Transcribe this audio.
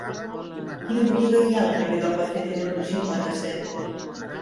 Quina botiga hi ha al carrer d'Albacete número cinquanta-set?